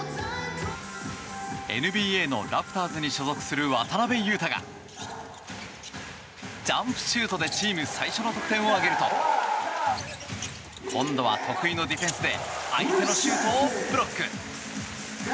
ＮＢＡのラプターズに所属する渡邊雄太がジャンプシュートでチーム最初の得点を挙げると今度は得意のディフェンスで相手のシュートをブロック。